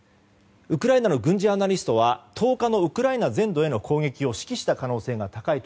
ウクライナの軍事アナリストは１０日のウクライナ全土への攻撃を指揮した可能性が高い。